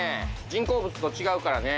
人工物と違うからね。